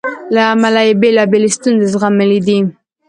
له امله یې بېلابېلې ستونزې زغملې دي.